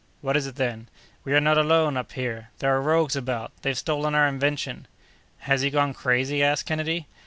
"What is it, then?" "We are not alone, up here! There are rogues about! They've stolen our invention!" "Has he gone crazy?" asked Kennedy.